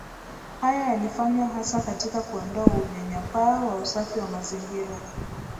Haya yalifanywa hasa katika kuondoa unyanyapaa wa usafi wa mazingira